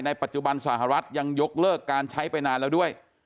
ปัจจุบันสหรัฐยังยกเลิกการใช้ไปนานแล้วด้วย